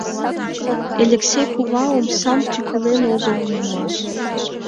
Элексей кува омсам тӱкылен огыл улмаш.